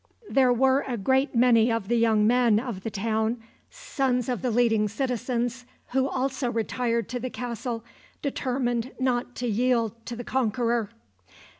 There were a great many of the young men of the town, sons of the leading citizens, who also retired to the castle, determined not to yield to the conqueror.